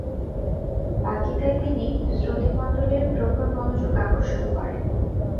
বাগ্মিতায় তিনি শ্রোতৃমণ্ডলীর প্রখর মনোযোগ আকর্ষণ করেন।